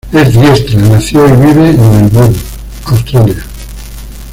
Es diestra nació y vive en Melbourne, Australia.